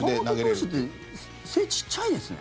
山本投手って背、ちっちゃいですね。